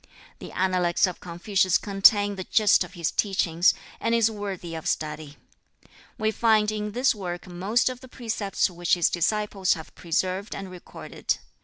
The Analects of Confucius contain the gist of his teachings, and is worthy of study. We find in this work most of the precepts which his disciples have preserved and recorded.